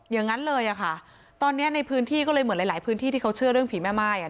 อย่างนั้นเลยอะค่ะตอนนี้ในพื้นที่ก็เลยเหมือนหลายหลายพื้นที่ที่เขาเชื่อเรื่องผีแม่ม่ายอ่ะ